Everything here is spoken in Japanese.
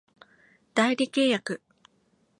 代理契約